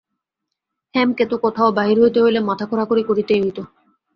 হেমকে তো কোথাও বাহির করিতে হইলে মাথা-খোঁড়াখুঁড়ি করিতে হইত।